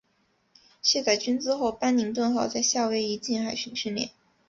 卸载军资后班宁顿号在夏威夷近海训练。